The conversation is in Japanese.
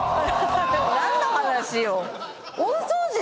何の話よ？